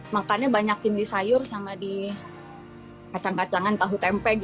makannya banyakin di sayur sama di kacang kacangan tahu tempe